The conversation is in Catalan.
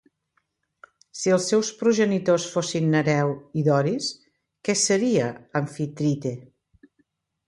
Si els seus progenitors fossin Nereu i Doris, què seria Amfitrite?